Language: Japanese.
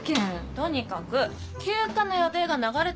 とにかく休暇の予定が流れたとやもん。